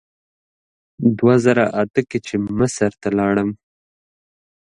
دوه زره اته کې چې مصر ته لاړم.